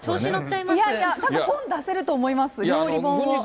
いやいや、本出せると思います、料理本を。